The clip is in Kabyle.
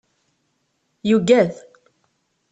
Yugad.